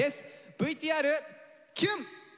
ＶＴＲキュン！